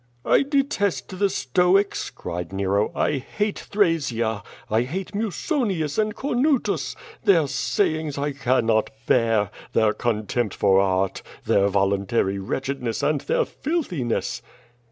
"I detest the Stoics!" cried Nero. "I hate Thrasea. I hate Musonius and Cornutus. Their sayings I cannot bear, their contempt for art, their voluntary wretchedness, and their filthiness."